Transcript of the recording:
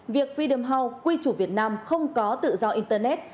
việc fidam house quy chủ việt nam không có tự do internet